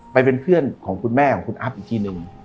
ไปเป็นเพื่อนของคุณแม่ของคุณอัพอีกทีหนึ่ง